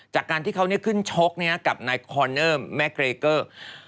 จากการที่เขาขึ้นชกกับนายคอนเนอร์แม่เกรเกอร์